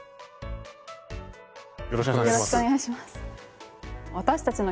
よろしくお願いします。